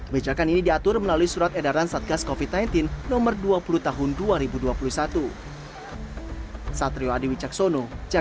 bejakan ini diatur melalui surat edaran satgas covid sembilan belas nomor dua puluh tahun dua ribu dua puluh satu